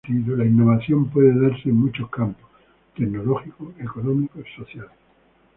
La innovación puede darse en muchos campos: tecnológico, económico, social.